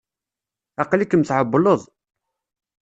Aql-ikem tεewwleḍ.